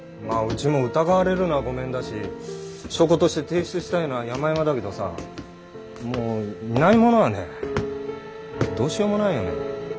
まあうちも疑われるのはごめんだし証拠として提出したいのはやまやまだけどさもういないものはねどうしようもないよね。